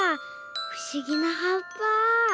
ふしぎなはっぱ。